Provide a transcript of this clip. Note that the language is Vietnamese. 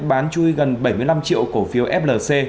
bán chui gần bảy mươi năm triệu cổ phiếu flc